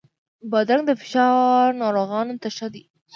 بادرنګ د فشار ناروغانو ته ښه دی.